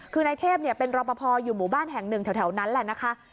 คือนายเทพเป็นรอปภอยู่หมู่บ้านแห่งหนึ่งแถวนั้นแหละนะคะ